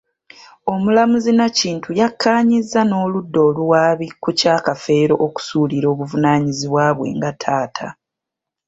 Omulamuzi Nakintu yakkaanyizza n'oludda oluwaabi ku kya Kafeero okusuulira obuvunaanyizibwa bwe nga taata.